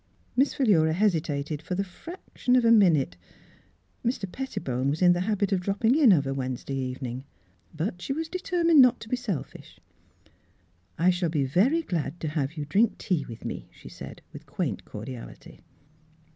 Miss Philura hesitated for the fraction of a minute ; Mr. Pettibone was in the Miss Fhilura^s Wedding Gown habit of dropping in of a Wednesday ev ening. But she was determined not to be selfish. " I shall be very glad to have you drink tea with me," she said with quaint cor diality.